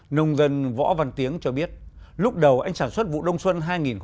nông dân võ văn tiếng cho biết lúc đầu anh sản xuất vụ đông xuân hai nghìn một mươi năm hai nghìn một mươi sáu